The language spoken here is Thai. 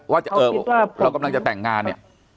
ว่าเรากำลังจะแต่งงานเนี่ย